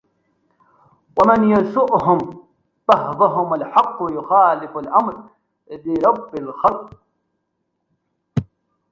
ومن يسوءهم بهضم الحق يخالف الأمر لرب الخلق